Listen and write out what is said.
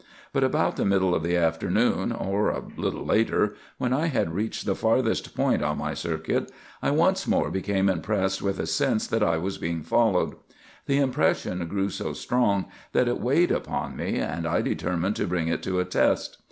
But about the middle of the afternoon, or a little later, when I had reached the farthest point on my circuit, I once more became impressed with a sense that I was being followed. The impression grew so strong that it weighed upon me, and I determined to bring it to a test.